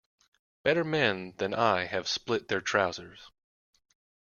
Better men than I have split their trousers.